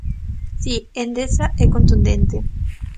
Si, Endesa é contundente.